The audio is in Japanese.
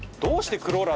クローラー。